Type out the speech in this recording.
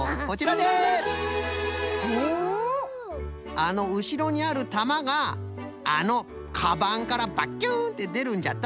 あのうしろにあるたまがあのかばんから「バキューン！」ってでるんじゃと。